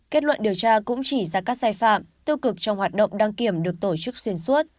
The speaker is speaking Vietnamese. kết luận điều tra cũng chỉ ra các sai phạm tiêu cực trong hoạt động đăng kiểm được tổ chức xuyên suốt